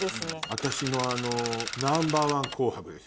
私のナンバーワン『紅白』ですよ。